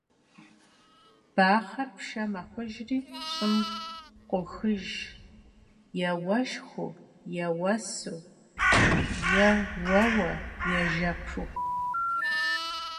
Baxher pşşe mexhujjri ş'ım khoxıjj yê vueşşxıu, yê vuesu, yê vueue, yê jjepu.